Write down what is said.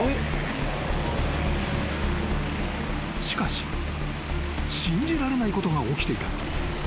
［しかし信じられないことが起きていた］